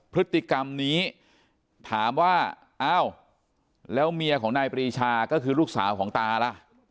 พฤติกรรมนี้ถามว่าอ้าวแล้วเมียของนายปรีชาก็คือลูกสาวของตาล่ะ